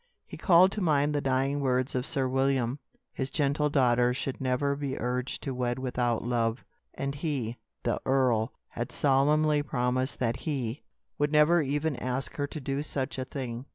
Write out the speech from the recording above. He called to mind the dying words of Sir William. His gentle daughter should never be urged to wed without love, and he the earl had solemnly promised that he would never even ask her to do such a thing.